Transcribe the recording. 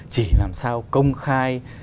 chỉ làm sao công khai